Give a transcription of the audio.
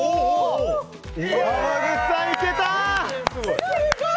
濱口さん、いけた！